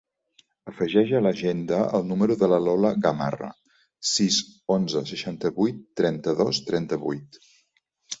Afegeix a l'agenda el número de la Lola Gamarra: sis, onze, seixanta-vuit, trenta-dos, trenta-vuit.